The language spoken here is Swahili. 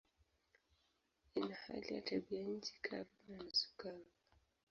Ina hali ya tabianchi kavu na nusu kavu.